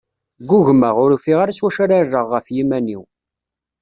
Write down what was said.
Ggugmeɣ, ur ufiɣ ara s wacu ara rreɣ ɣef yiman-iw.